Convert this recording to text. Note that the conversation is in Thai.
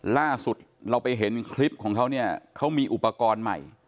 ล่าสุดเราไปเห็นคลิปของเขาเนี่ยเขามีอุปกรณ์ใหม่